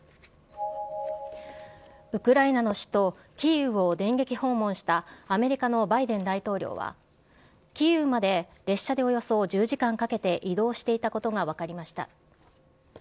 ウクライナの首都キーウを電撃訪問したアメリカのバイデン大統領は、キーウまで列車でおよそ１０時間かけて移動していたことが分かりました。